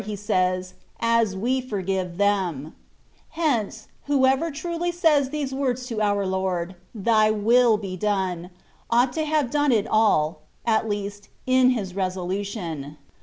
He says, "As we forgive them/' Hence, whoever truly says these words to our Lord, " Thy will be done," ought to have done it all, at least, in his resolution.